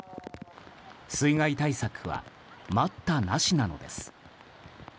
水害対策は待ったなしなのです。